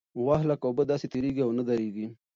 وخت لکه اوبه داسې تېرېږي او نه درېږي.